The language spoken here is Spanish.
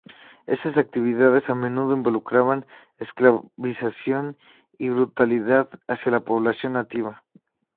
Estas actividades a menudo involucraban esclavización y brutalidad hacia la población nativa.